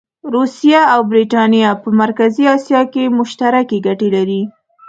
روسیه او برټانیه په مرکزي اسیا کې مشترکې ګټې لري.